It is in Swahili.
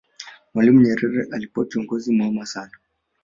mwalimu nyerere alikuwa kiongozi mwema sana